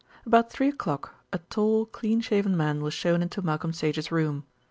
About three o'clock a tall, clean shaven man was shown into Malcolm Sage's room.